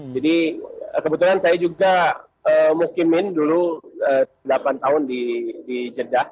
jadi kebetulan saya juga mukimin dulu delapan tahun di jeddah